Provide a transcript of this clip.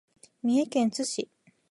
三重県津市